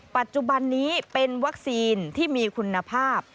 ปัจจุบันนี้เป็นวัคซีนที่มีคุณภาพ